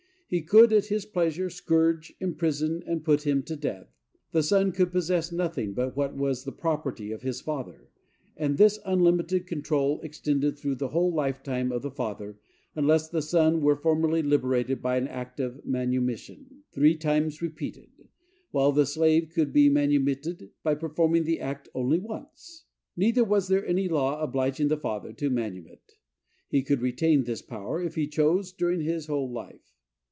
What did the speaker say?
He could, at his pleasure, scourge, imprison, or put him to death. The son could possess nothing but what was the property of his father; and this unlimited control extended through the whole lifetime of the father, unless the son were formally liberated by an act of manumission three times repeated, while the slave could be manumitted by performing the act only once. Neither was there any law obliging the father to manumit;—he could retain this power, if he chose, during his whole life.